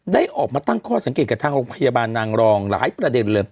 ได้ออกมาตั้งข้อสังเกตกับทางโรงพยาบาลนางรองหลายประเด็นเลย